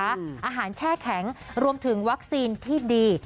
อาหารแช่แข็งรวมถึงวัคซีนที่ดี